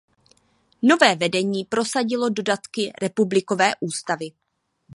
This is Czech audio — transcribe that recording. Nové vedení prosadilo dodatky republikové ústavy.